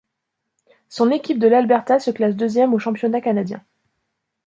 Son équipe de l'Alberta se classe deuxième aux Championnats canadiens.